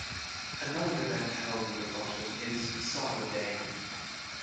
Another event held in the Bottom is 'Saba Day'.